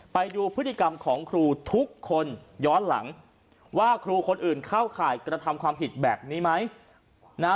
ไปดูพฤติกรรมของครูทุกคนย้อนหลังว่าครูคนอื่นเข้าข่ายกระทำความผิดแบบนี้ไหมนะฮะ